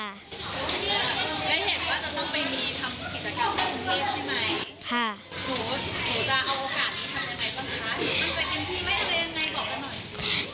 มันจะเกิดทีไหมอะไรอย่างไรบอกกันหน่อย